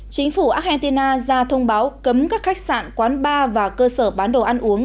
chính phủ argentina ra thông báo cấm các khách sạn quán bar và cơ sở bán đồ ăn uống